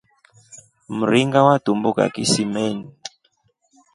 Mringa watumbuka kisimeni.